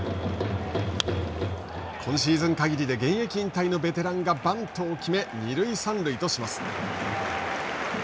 今シーズンかぎりで現役引退のベテランがバントを決め二塁三塁とします。